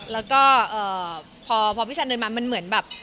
แล้วก็พอพี่ชันเดินมามันเหมือนแบบ